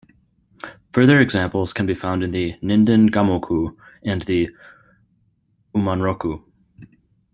Further examples can be found in the "Ninden gammoku", and the "Ummonroku".